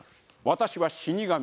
私は死神。